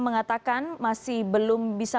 mengatakan masih belum bisa